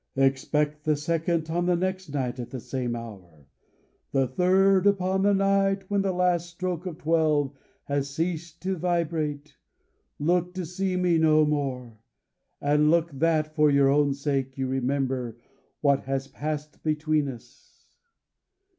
"Expect the second on the next night at the same hour. The third, upon the next night when the last stroke of Twelve has ceased to vibrate. Look to see me no more; and look that, for your own sake, you remember what has passed between us!"